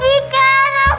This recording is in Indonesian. dikarun pak rt